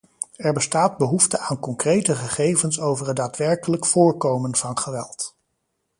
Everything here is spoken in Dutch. Er bestaat behoefte aan concrete gegevens over het daadwerkelijk vóórkomen van geweld.